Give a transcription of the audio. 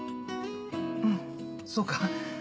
うんそうか？